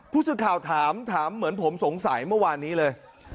ผู้สื่อข่าวถามถามเหมือนผมสงสัยเมื่อวานนี้เลย